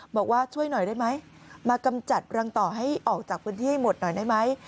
บอกว่าช่วยหน่อยได้ไหมมากำจัดรังต่อให้ออกจากพื้นที่ให้หมดหน่อยได้ไหม